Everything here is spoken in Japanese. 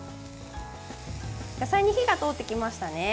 野菜に火が通ってきましたね。